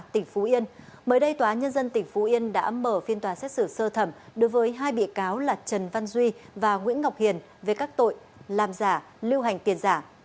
tỉnh phú yên mới đây tòa nhân dân tỉnh phú yên đã mở phiên tòa xét xử sơ thẩm đối với hai bị cáo là trần văn duy và nguyễn ngọc hiền về các tội làm giả lưu hành tiền giả